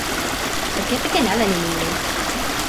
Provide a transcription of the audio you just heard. o kepeken ala nimi ni.